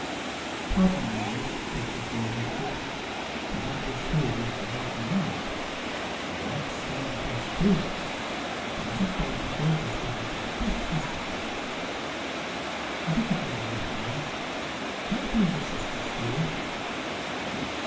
"Pardon me, Miss," begged the floor walker for that was who Mr. Knockem was, and right scared he was, too, for Mrs. Bountiful was one of their best customers. "I didn't mean any harm. Can I be of assistance to you?"